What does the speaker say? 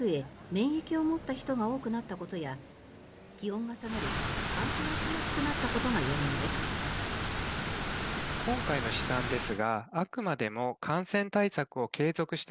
免疫を持った人が多くなったことや気温が下がり換気がしやすくなったことが要因です。